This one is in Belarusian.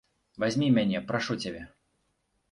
Вазьмі мяне, прашу цябе.